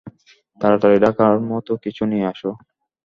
তাড়াতাড়ি ঢাকার মতো কিছু নিয়ে আসো!